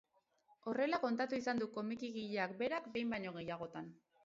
Horrela kontatu izan du komikigileak berak behin baino gehiagotan.